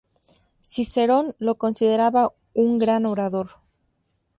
Cicerón lo consideraba un gran orador.